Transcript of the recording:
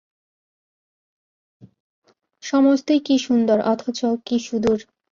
সমস্তই কী সুন্দর, অথচ কী সুদূর।